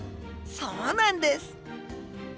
そうなんです！